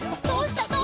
どうした？